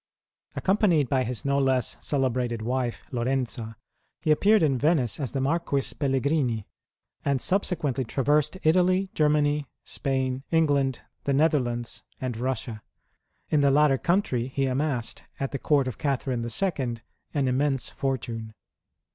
Accompanied by his no less celebrated wife, Lorenza, he appeared in Venice as the Marquis Pelligrini, and subsequently traversed Italy, Germany, Spain, England, the Netherlands, and Eussia. In the latter country he amassed, at the Court of Catherine II., an immense fortune.